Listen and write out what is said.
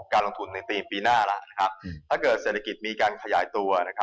การลงทุนในปีหน้าถ้าเศรษฐกิจมีการขยายตัว